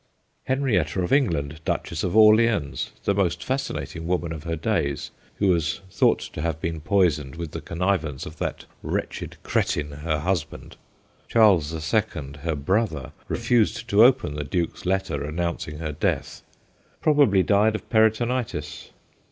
Henrietta of England, Duchess of Orleans, the most fascinating woman of her days, who was thought to have been poisoned with the con nivance of that wretched cretin, her husband Charles the Second, her brother, refused to open the Duke's letter announcing her death probably died of peritonitis.